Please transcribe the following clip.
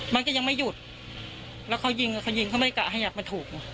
มันก็ยังไม่หยุดแล้วเขายิงอ่ะเขายิงเขาไม่กะให้หยัดมันถูก